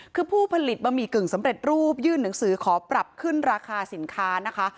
คือผู้ผลิตบะหมี่กึ่งสำเร็จรูปยื่นหนังสือขอปรับขึ้นราคาสินค้านะคะ